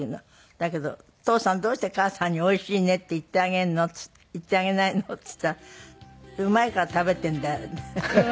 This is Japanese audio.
だけど「父さんどうして母さんに“おいしいね”って言ってあげないの？」って言ったら「うまいから食べてるんだよ」って。ハハハハ！